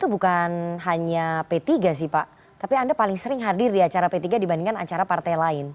itu bukan hanya p tiga sih pak tapi anda paling sering hadir di acara p tiga dibandingkan acara partai lain